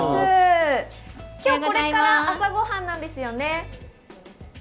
今日これから朝ごはんなんですよね？